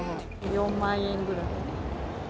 ４万円ぐらい。